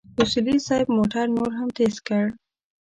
اصولي صیب موټر نور هم تېز کړ.